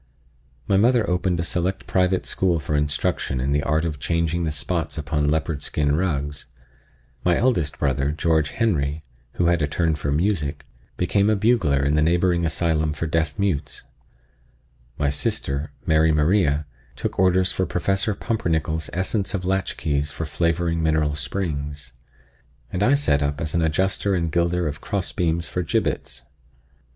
My mother opened a select private school for instruction in the art of changing the spots upon leopard skin rugs; my eldest brother, George Henry, who had a turn for music, became a bugler in a neighboring asylum for deaf mutes; my sister, Mary Maria, took orders for Professor Pumpernickel's Essence of Latchkeys for flavoring mineral springs, and I set up as an adjuster and gilder of crossbeams for gibbets.